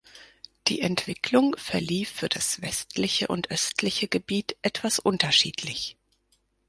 Die Entwicklung verlief für das westliche und östliche Gebiet etwas unterschiedlich.